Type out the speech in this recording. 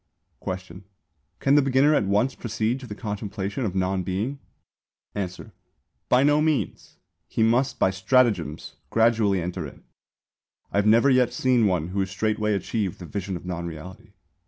Question. Can the beginner at once proceed to the contemplation of non Being? Answer. By no means! He must by stratagems gradually enter in. I have never yet seen one who straightway achieved the vision of non Reality.